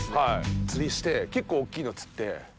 釣りして結構大っきいの釣って。